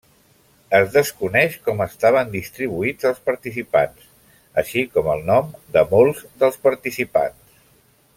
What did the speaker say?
Es desconeix com estaven distribuïts els participants, així com el nom de molts dels participants.